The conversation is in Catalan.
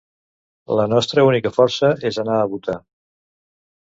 La nostra única força és anar a votar.